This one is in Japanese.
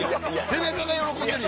背中が喜んでる。